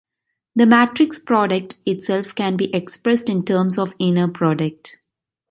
The matrix product itself can be expressed in terms of inner product.